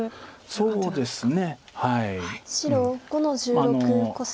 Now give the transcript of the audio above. そうですね。